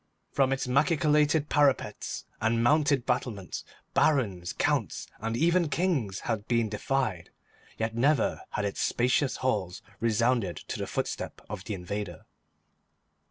From its machicolated parapets and mounted battlements Barons, Counts, and even Kings had been defied, yet never had its spacious halls resounded to the footstep of the invader.